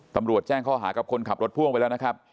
ตำรวจแจ้งข้อหากับคนขับรถพ่วงไปแล้วนะครับ